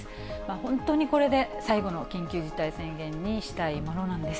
本当にこれで最後の緊急事態宣言にしたいものなんです。